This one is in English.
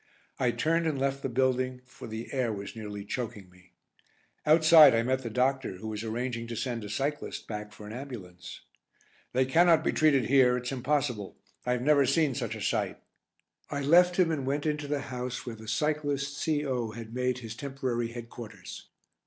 I turned and left the building, for the air was nearly choking me. Outside I met the doctor, who was arranging to send a cyclist back for an ambulance. "They cannot be treated here, it's impossible. I've never seen such a sight." I left him and went into the house where the cyclist C.O. had made his temporary headquarters.